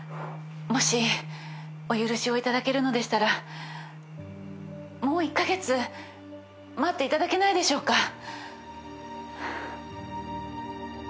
もしお許しを頂けるのでしたらもう１カ月待っていただけないでしょうか？